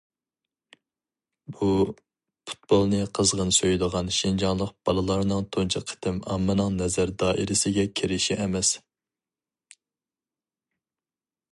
بۇ پۇتبولنى قىزغىن سۆيىدىغان شىنجاڭلىق بالىلارنىڭ تۇنجى قېتىم ئاممىنىڭ نەزەر دائىرىسىگە كىرىشى ئەمەس.